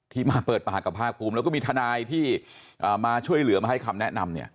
มาเปิดปากกับภาคภูมิแล้วก็มีทนายที่มาช่วยเหลือมาให้คำแนะนำ